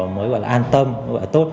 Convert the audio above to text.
mới gọi là an tâm mới gọi là tốt